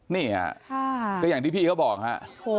เนี่ยค่ะค่ะก็อย่างที่พี่เขาบอกนะฮะโหโห